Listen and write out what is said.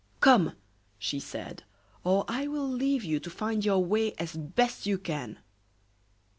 "Come!" she said, "or I will leave you to find your way as best you can."